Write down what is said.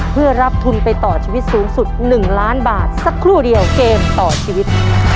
เพื่อรับทุนไปต่อชีวิตสูงสุด๑ล้านบาทสักครู่เดียวเกมต่อชีวิต